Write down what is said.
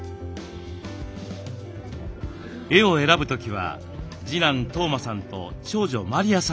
絵を選ぶ時は次男統真さんと長女真璃愛さんと一緒。